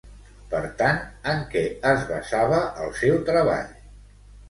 Per tant, en què es basava el seu treball?